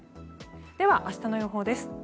では、明日の予報です。